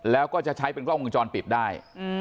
แล้วก็จะใช้เป็นกล้องวงจรปิดได้